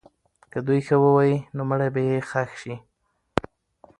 که دوی ښه ووایي، نو مړی به یې ښخ سي.